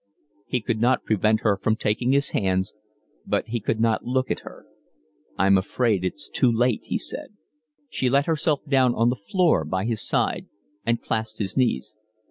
He could not prevent her from taking his hands, but he could not look at her. "I'm afraid it's too late," he said. She let herself down on the floor by his side and clasped his knees.